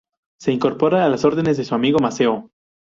Se incorpora a las órdenes de su amigo Maceo.